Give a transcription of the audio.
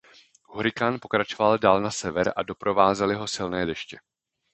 Hurikán pokračoval dál na sever a doprovázely ho silné deště.